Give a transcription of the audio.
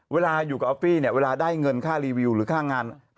เวลาอยู่กับออฟฟี่เนี่ยเวลาได้เงินค่ารีวิวหรือค่างาน